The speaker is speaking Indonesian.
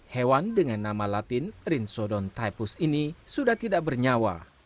hewan dengan nama latin rinsodon typus ini sudah tidak bernyawa